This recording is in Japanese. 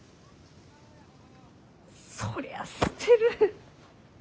そりゃあ捨てる！